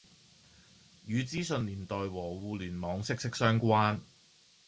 與資訊年代和互聯網息息相關